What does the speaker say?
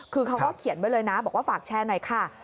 คือเขาก็เขียนไว้เลยนะบอกว่าฝากแชร์หน่อยค่ะ